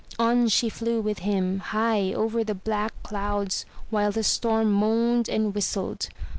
On she flew with him; high over the black clouds while the storm moaned and whistled.